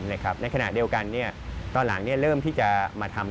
ในขณะเดียวกันตอนหลังเริ่มที่จะมาทำ